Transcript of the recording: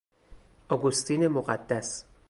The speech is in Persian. اگوستین مقدس